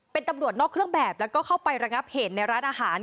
เป็นตำรวจนอกเครื่องแบบแล้วก็เข้าไประงับเหตุในร้านอาหาร